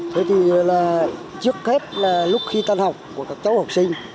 thế thì trước hết là lúc khi tan học của các cháu học sinh